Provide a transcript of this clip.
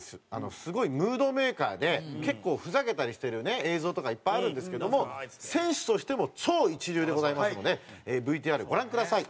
すごいムードメーカーで結構ふざけたりしてる映像とかいっぱいあるんですけども選手としても超一流でございますのでＶＴＲご覧ください！